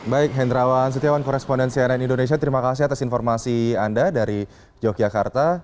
baik hendrawan setiawan korespondensi ann indonesia terima kasih atas informasi anda dari yogyakarta